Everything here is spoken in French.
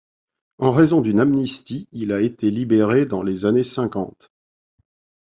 En raison d'une amnistie, il a été libéré dans les années cinquante.